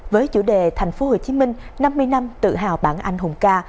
với chủ đề thành phố hồ chí minh năm mươi năm tự hào bản anh hùng ca